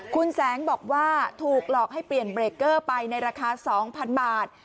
คุณแสงบอกว่าถูกหลอกให้เปลี่ยนเบรกเกอร์ไปในราคา๒๐๐๐บาท